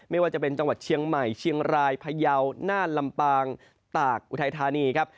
ไม่ว่าจะเป็นจังหวัดเชียงใหม่เชียงรายพยาวน่านลำปางตากอุทัยธานีครับ